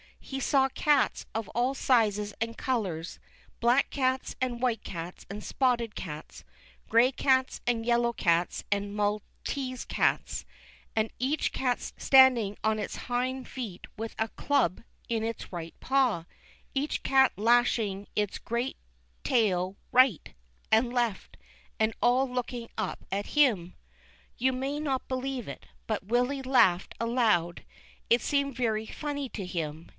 He saw cats of all sizes and colors, black cats and white cats and spotted cats, gray cats and yellow cats and maltese cats, and each cat standing on its hind feet with a club in the right paw, each cat lashing its great tail right and left, and all looking up at him. You may not believe it, but Willy laughed aloud. It seemed very funny to him.